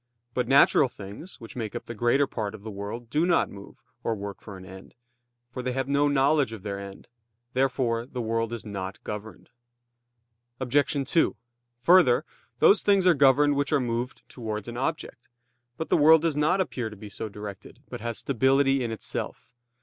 But natural things which make up the greater part of the world do not move, or work for an end; for they have no knowledge of their end. Therefore the world is not governed. Obj. 2: Further, those things are governed which are moved towards an object. But the world does not appear to be so directed, but has stability in itself.